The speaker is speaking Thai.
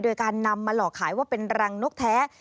โดยการนำมาหลอกขายว่าเป็นรังนกแท้